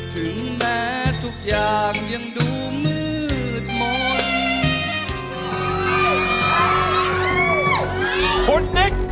ถึงแม้ทุกอย่างยังดูมืดมนต์